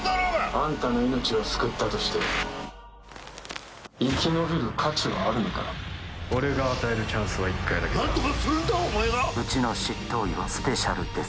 あんたの命を救ったとして俺が与えるチャンスは１回だけだ何とかするんだお前がうちの執刀医はスペシャルです